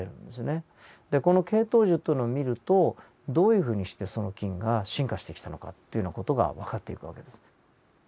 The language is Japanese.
でこの系統樹というのを見るとどういうふうにしてその菌が進化してきたのかというような事がわかっていく訳です。